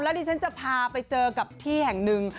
ดิฉันจะพาไปเจอกับที่แห่งหนึ่ง